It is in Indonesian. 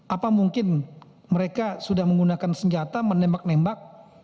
apa mungkin mereka sudah menggunakan senjata menembak nembak